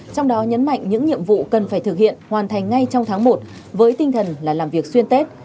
trong đó nhấn mạnh những nhiệm vụ cần phải thực hiện hoàn thành ngay trong tháng một với tinh thần là làm việc xuyên tết